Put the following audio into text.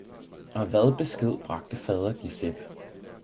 Og hvad besked bragte fader Giuseppe.